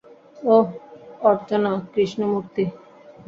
ওহ, Archana Krishnamurthy!